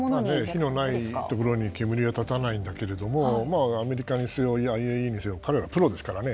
火のないところに煙は立たないんだけれどもアメリカにしろＩＡＥＡにしろプロですからね